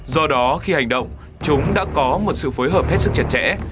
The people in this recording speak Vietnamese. do đó khi hành động chúng đã có một sự phối hợp hết sức chặt chẽ